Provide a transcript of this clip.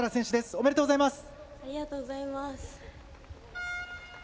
ありがとうございます。